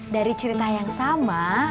dari cerita yang sama